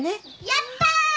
やった！